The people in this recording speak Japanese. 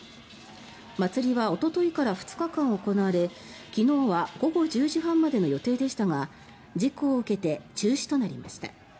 祭りはおとといから２日間行われ昨日は午後１０時半までの予定でしたが事故を受けて中止となりました。